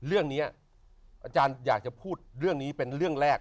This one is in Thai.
เรื่องนี้อาจารย์อยากจะพูดเรื่องนี้เป็นเรื่องแรก